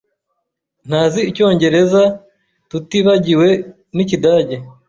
Ntazi Icyongereza, tutibagiwe n'Ikidage.